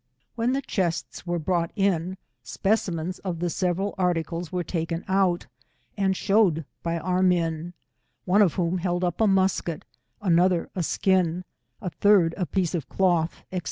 — When the chests were brought in, specimens of the several articles were taken out, aud shewed by our men, one of whom held up a musket, another a skin, a third a piece of cloth, &c.